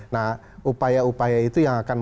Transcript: nah upaya upaya itu yang akan